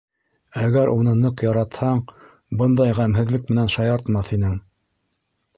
Әгәр уны ныҡ яратһаң, бындай ғәмһеҙлек менән шаяртмаҫ инең!